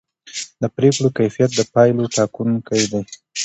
د پرېکړو کیفیت د پایلو ټاکونکی دی